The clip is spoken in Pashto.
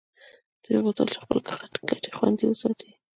دوی غوښتل چې خپلې ګټې خوندي وساتي